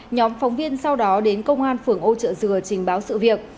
nhóm phóng viên sau đó đến công an phường âu trợ dừa trình báo sự việc